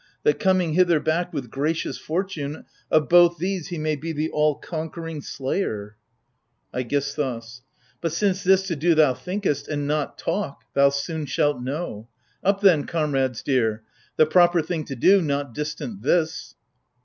That coming hither back, with gracious fortune. Of both these he may be the all conquering slayer ? 144 AGAMEMNON. AIGISTHOS. But since this to do thou thinkest— and not talk — thou soon shalt know ! Up then, comrades dear ! the proper thing to do— not distant this